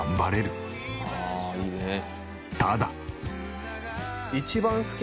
ただ。